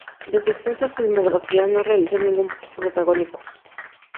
De su extensa filmografía no realizó ningún protagónico.